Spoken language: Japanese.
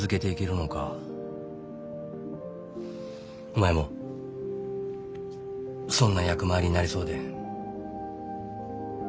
お前も損な役回りになりそうで。